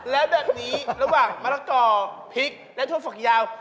แล้วแบบนี้ระหว่างมะละก่อพริกและถั่วฝักยาว